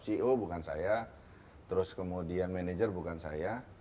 ceo bukan saya terus kemudian manajer bukan saya